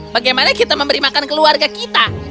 bagaimana kita memberi makan keluarga kita